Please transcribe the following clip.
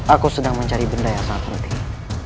aku sedang mencari benda yang sangat penting